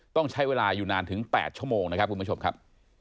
ต้องใช้เวลาอยู่นานถึง๘ชั่วโมงนะครับคุณผู้ชมครับ